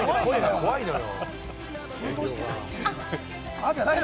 怖いのよ！